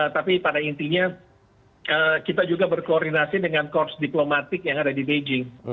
tapi pada intinya kita juga berkoordinasi dengan korps diplomatik yang ada di beijing